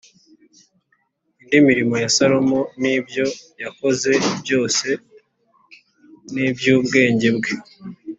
Indi mirimo ya Salomo n’ibyo yakoze byose n’iby’ubwenge bwe